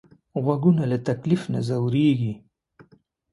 غوږونه له تکلیف نه ځورېږي